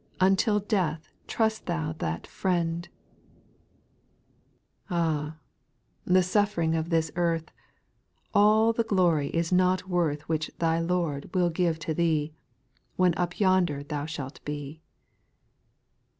Until death trust thou that Friend 1 Ah ! the suffering of this earth, All the glory is not worth Which Thy Lord will give to thee, When up yonder thou shalt be.